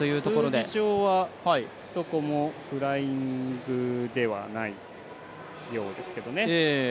数字上はどこもフライングではないようですけどね。